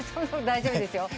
大丈夫ですよ。